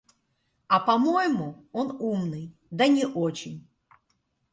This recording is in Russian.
А по-моему, он умный, да не очень.